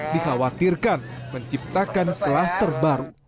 dikhawatirkan menciptakan kelas terbaru